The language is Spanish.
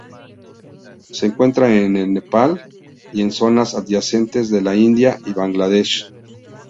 Se encuentra en el Nepal y en zonas adyacentes de la India y Bangladesh.